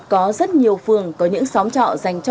có rất nhiều phường có những xóm trọ